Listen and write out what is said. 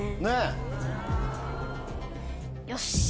よし！